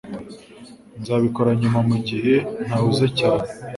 Nzabikora nyuma mugihe ntahuze cyane